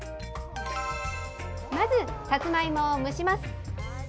まずさつまいもを蒸します。